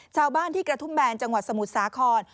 ชาวบ้านที่กระทุ่มแบนจังหวัดสมุทรสาคร